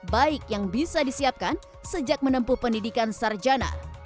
baik yang bisa disiapkan sejak menempuh pendidikan sarjana